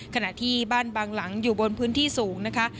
ขณะที่บ้านบางหลังอยู่บนพื้นที่สูงนะคะ